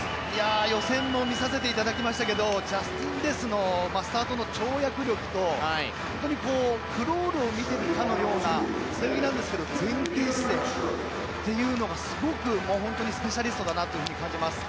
予選も見させていただきましたけどジャスティン・レスのスタートの跳躍力と本当に、クロールを見ているかのような背泳ぎなんですけど前傾姿勢というのがすごく本当にスペシャリストだなと感じます。